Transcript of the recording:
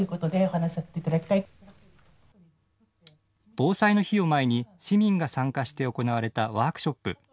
防災の日を前に市民が参加して行われたワークショップ。